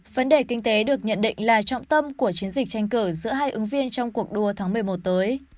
vấn đề kinh tế được nhận định là trọng tâm của chiến dịch tranh cử giữa hai ứng viên trong cuộc đua tháng một mươi một tới